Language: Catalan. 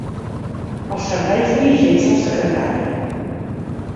Els serveis diligents del secretari.